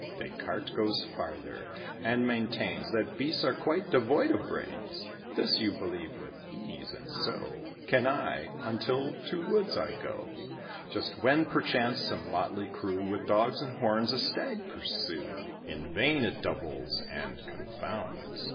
Descartes goes farther, and maintains That beasts are quite devoid of brains. This you believe with ease, and so Can I, until to woods I go, Just when, perchance, some motley crew, With dogs and horns, a stag pursue. In vain it doubles, and confounds.